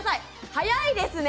早いですね！